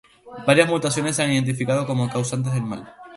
Varias mutaciones se han identificado como causantes del mal.